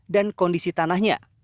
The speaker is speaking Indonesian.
dan kondisi tanahnya